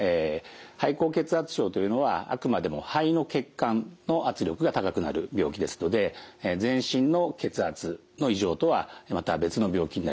肺高血圧症というのはあくまでも肺の血管の圧力が高くなる病気ですので全身の血圧の異常とはまた別の病気になります。